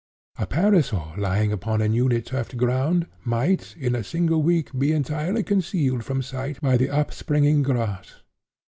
A parasol lying upon a newly turfed ground, might, in a single week, be entirely concealed from sight by the upspringing grass.